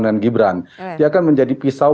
dengan gibran dia kan menjadi pisau